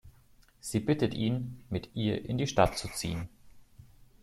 Sie bittet ihn, mit ihr in die Stadt zu ziehen.